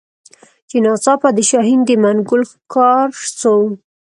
چي ناڅاپه د شاهین د منګول ښکار سو